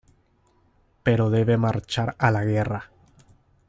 Pero debe marchar a la guerra.